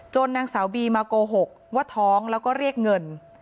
นางสาวบีมาโกหกว่าท้องแล้วก็เรียกเงิน